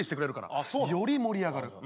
より盛り上がる！